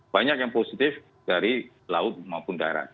banyak yang positif dari laut maupun darat